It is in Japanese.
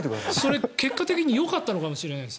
それが結果的によかったのかもしれない。